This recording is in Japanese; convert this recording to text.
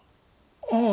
ああ。